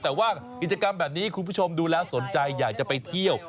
แต่ว่ากิจกรรมแบบนี้คุณผู้ชมดูแล้วสนใจอยากจะไปเที่ยว